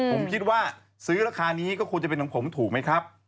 ผมคิดว่าซื้อราคานี้ก็ควรจะเป็นของผมถูกไหมครับ